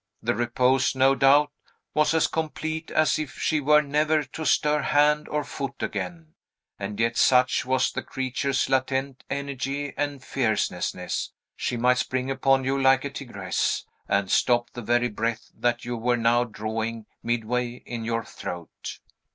The repose, no doubt, was as complete as if she were never to stir hand or foot again; and yet, such was the creature's latent energy and fierceness, she might spring upon you like a tigress, and stop the very breath that you were now drawing midway in your throat.